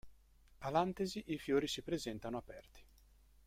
All'antesi i fiori si presentano aperti.